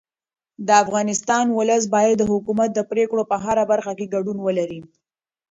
د افغانستان ولس باید د حکومت د پرېکړو په هره برخه کې ګډون ولري